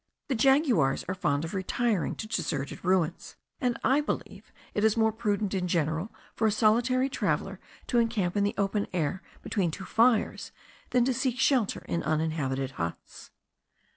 The jaguars are fond of retiring to deserted ruins, and I believe it is more prudent in general for a solitary traveller to encamp in the open air, between two fires, than to seek shelter in uninhabited huts.